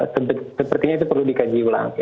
sepertinya itu perlu dikaji ulang